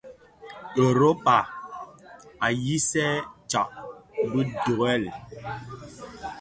Europa a ňyisè tsag bi duel.